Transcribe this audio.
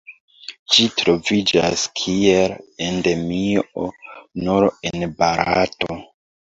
Ĝi troviĝas kiel Endemio nur en Barato.